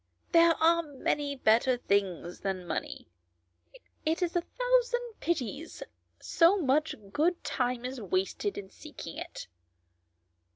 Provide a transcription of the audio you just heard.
There are many better things than money ; it is a thousand pities so much good time is wasted in seeking it."